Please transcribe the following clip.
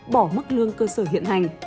bỏ mức lương cơ sở hiện hành